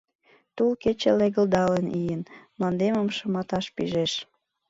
Тул кече легылдалын ийын Мландемым шыматаш пижеш.